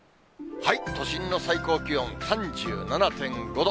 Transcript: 都心の最高気温３７．５度。